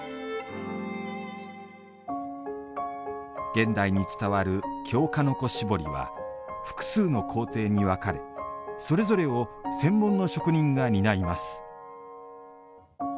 現代に伝わる京鹿の子絞りは複数の工程に分かれそれぞれを専門の職人が担います。